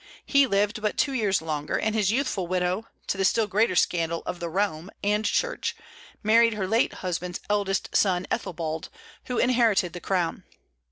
He lived but two years longer; and his youthful widow, to the still greater scandal of the realm and Church, married her late husband's eldest son, Ethelbald, who inherited the crown.